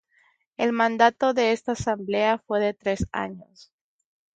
El mandato de esta Asamblea fue de tres años.